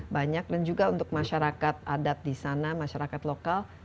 banyak dan juga untuk masyarakat adat di sana masyarakat lokal